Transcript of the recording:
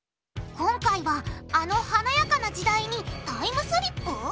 今回はあの華やかな時代にタイムスリップ？